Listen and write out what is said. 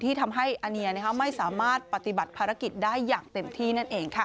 ที่ทำให้อาเนียไม่สามารถปฏิบัติภารกิจได้อย่างเต็มที่นั่นเองค่ะ